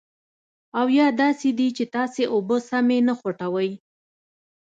او یا داسې دي چې تاسې اوبه سمې نه خوټوئ.